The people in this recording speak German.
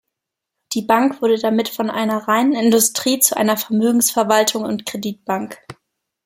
Die Bank wurde damit von einer reinen Industrie- zu einer Vermögensverwaltungs- und Kreditbank.